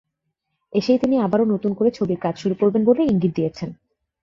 এসেই তিনি আবারও নতুন করে ছবির কাজ শুরু করবেন বলে ইঙ্গিত দিয়েছেন।